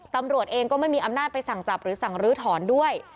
ตำรวจเองก็ไม่มีอำนาจไปสั่งจับหรือสั่งลื้อถอนด้วย